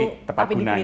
tapi tepat gunanya